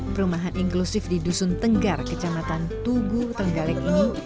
perumahan inklusif di dusun tenggar kecamatan tugu tenggalek ini